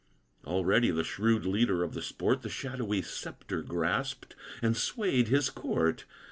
Already, the shrewd leader of the sport The shadowy sceptre grasped, and swayed his court.